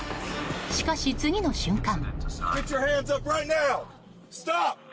しかし、次の瞬間。